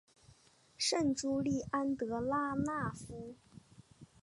圣朱利安德拉讷夫。